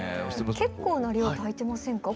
結構な量炊いてませんか？